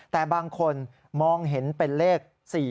แต่บางคนมองเห็นเป็นเลข๔๔